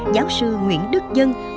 giáo sư nguyễn đức dân jao sư